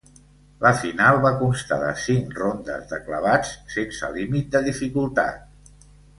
La final va constar de cinc rondes de clavats sense límit de dificultat.